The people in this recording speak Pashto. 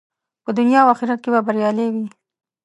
په دنیا او آخرت کې به بریالی وي.